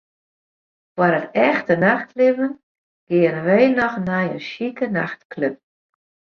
Foar it echte nachtlibben geane wy noch nei in sjike nachtklup.